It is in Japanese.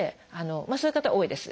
そういう方多いです。